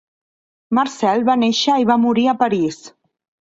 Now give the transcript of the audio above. Marcel va néixer i va morir a París.